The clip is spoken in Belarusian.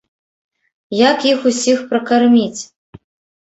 Як іх усіх пракарміць?